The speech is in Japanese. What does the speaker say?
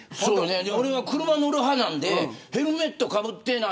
俺は車乗る派なんでヘルメットかぶってない